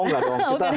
oh enggak dong